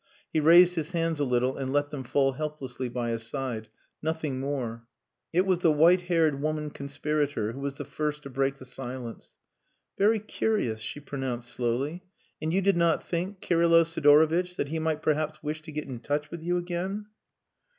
He raised his hands a little and let them fall helplessly by his side nothing more. It was the white haired woman conspirator who was the first to break the silence. "Very curious," she pronounced slowly. "And you did not think, Kirylo Sidorovitch, that he might perhaps wish to get in touch with you again?"